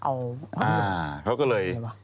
อ่าเขาก็เลย